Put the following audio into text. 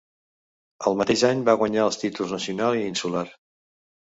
El mateix any va guanyar els títols nacional i insular.